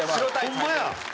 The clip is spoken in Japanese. ホンマや！